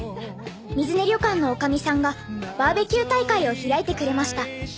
水根旅館の女将さんがバーベキュー大会を開いてくれました。